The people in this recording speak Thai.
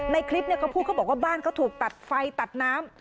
ในคลิปเขาพูดเขาบอกว่าบ้านเขาถูกตัดไฟตัดน้ำ